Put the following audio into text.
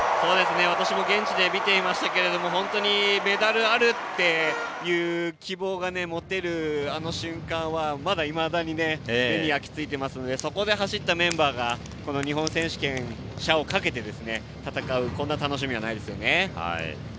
私も現地で見ていましたが本当にメダルあるっていう希望が持てるあの瞬間はまだ、いまだに目に焼きついていますのでそこで走ったメンバーが日本選手権をかけて戦う、こんな楽しみはないですね。